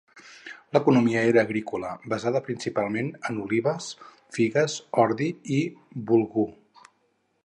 L'economia era agrícola, basada principalment en olives, figues, ordi i bulgur.